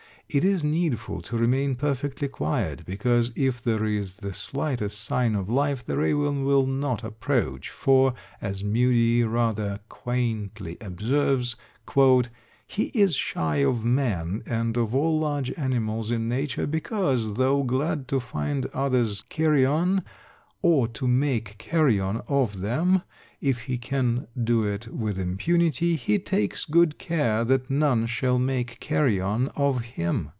It is needful to remain perfectly quiet, because if there is the slightest sign of life the raven will not approach, for, as Mudie rather quaintly observes, "he is shy of man and of all large animals in nature; because, though glad to find others carrion, or to make carrion of them if he can do it with impunity, he takes good care that none shall make carrion of him."